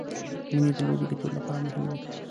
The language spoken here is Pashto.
منډې د لوبي ګټلو له پاره مهمي دي.